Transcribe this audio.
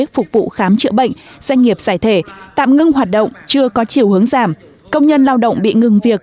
phục vụ khám chữa bệnh doanh nghiệp giải thể tạm ngưng hoạt động chưa có chiều hướng giảm công nhân lao động bị ngừng việc